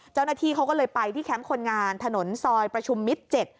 เจ้าหน้าที่เขาก็เลยไปที่แคมป์คนงานถนนซอยประชุมมิตร๗